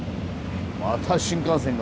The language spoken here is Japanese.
また新幹線が！